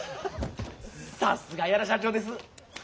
さすが屋良社長です。